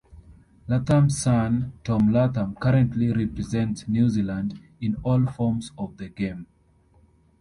Latham's son Tom Latham currently represents New Zealand in all forms of the game.